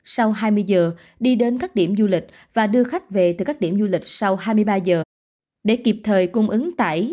sau hai mươi giờ đi đến các điểm du lịch và đưa khách về từ các điểm du lịch sau hai mươi ba giờ để kịp thời cung ứng tải